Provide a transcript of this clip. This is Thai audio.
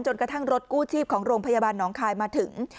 กระทั่งรถกู้ชีพของโรงพยาบาลน้องคายมาถึง